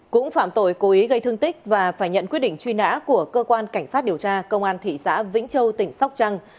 cũng phạm tội cố ý gây thương tích và phải nhận quyết định truy nã của cơ quan cảnh sát điều tra công an thị xã vĩnh châu tỉnh sóc trăng